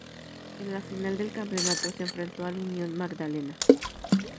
En la final del campeonato se enfrentó al Unión Magdalena.